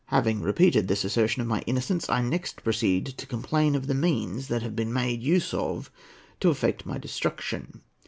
Having repeated this assertion of my innocence, I next proceed to complain of the means that have been made use of to effect my destruction.